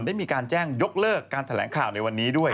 ได้มีการแจ้งยกเลิกการแถลงข่าวในวันนี้ด้วย